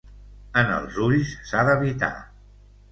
En els ulls s'ha d'evitar.